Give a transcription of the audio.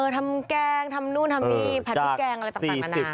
ทำแกงทำนู่นทำนี่แผลดผู้แกงอะไรต่างมานานา